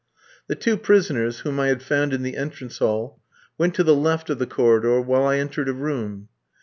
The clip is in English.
The two prisoners, whom I had found in the entrance hall, went to the left of the corridor, while I entered a room.